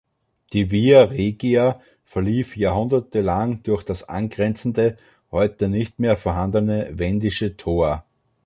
Die Via Regia verlief jahrhundertelang durch das angrenzende, heute nicht mehr vorhandene Wendische Tor.